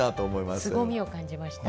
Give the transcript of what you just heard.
すごみを感じました。